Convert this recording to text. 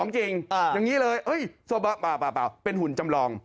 จริงอย่างนี้เลยเป็นหุ่นจำลอง